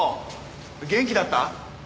元気だった？